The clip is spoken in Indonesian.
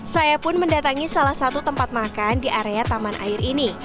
saya pun mendatangi salah satu tempat makan di area taman air ini